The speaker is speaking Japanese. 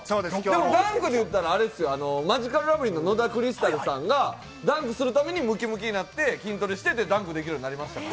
ダンクでいったら、あれですよ、マヂカルラブリーの野田クリスタルさんがダンクするためにむきむきになって、筋トレして、で、ダンクできるようになりました。